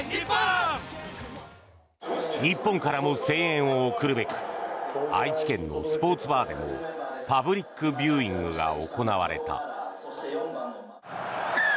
日本からも声援を送るべく愛知県のスポーツバーでもパブリックビューイングが行われた。